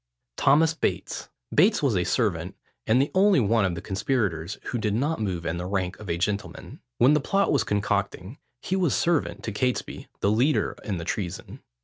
THOMAS BATES. Bates was a servant, and the only one of the conspirators who did not move in the rank of a gentleman. When the plot was concocting, he was servant to Catesby, the leader in the treason.